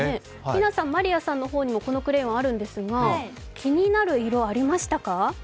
みなさん、まりあさんのところにもこのクレヨンあるんですが、気になる色ありましたか？